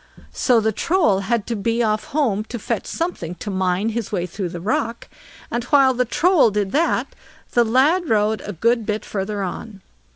So the Troll had to be off home to fetch something to mine his way through the rock; and while the Troll did that, the lad rode a good bit further on.